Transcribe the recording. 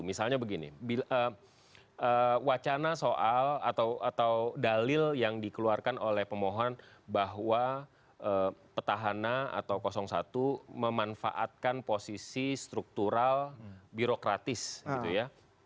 misalnya begini wacana soal atau dalil yang dikeluarkan oleh pemohon bahwa petahana atau satu memanfaatkan posisi struktural birokratis gitu ya